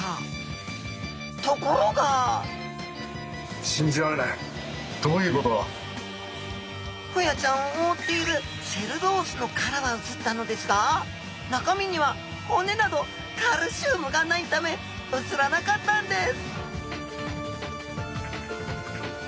ところがホヤちゃんを覆っているセルロースの殻は写ったのですが中身には骨などカルシウムがないため写らなかったんです